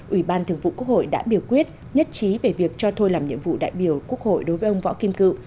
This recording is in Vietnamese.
ủy ban thường vụ quốc hội đã biểu quyết nhất trí về việc cho thôi làm nhiệm vụ đại biểu quốc hội đối với ông võ kim cự